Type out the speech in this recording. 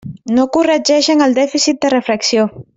No corregeixen el dèficit de refracció.